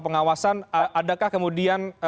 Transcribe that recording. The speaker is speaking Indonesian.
pengawasan adakah kemudian